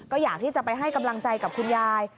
ก็อยากที่จะไปให้กำลังใจกับคุณยาย